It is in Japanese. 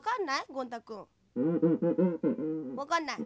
ゴン太くん。わかんない？